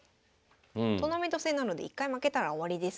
トーナメント戦なので１回負けたら終わりですね。